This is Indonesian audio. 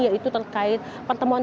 yaitu terkait pertemuan